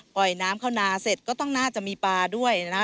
ปล่อยน้ำเข้านาเสร็จก็ต้องน่าจะมีปลาด้วยนะ